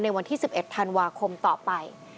วันที่๑๑ธันวาคมต่อไป